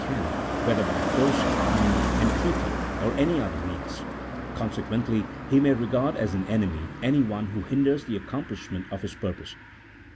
can, whether by force, cunning, entreaty, or any other means ; consequently he may regard as an enemy anyone who hinders the accomplishment of his purpose.